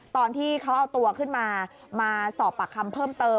ตอนที่เขาเอาตัวขึ้นมามาสอบปากคำเพิ่มเติม